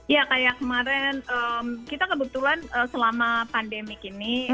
ya kayak kemarin kita kebetulan selama pandemi ini